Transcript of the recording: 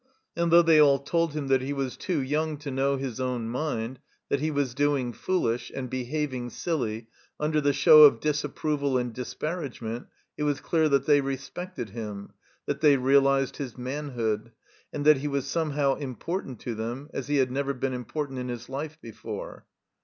And though they all told him that he was too young to know his own mind, that he was doing foolish, and behaving silly, under the show of disapproval and disparagement it was dear that they respected him, that they realized his manhood, and that he was somehow important to them as he had never been important inhis life before.